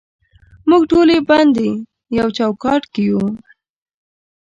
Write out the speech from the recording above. موږ ټولې بندې یو چوکاټ کې یو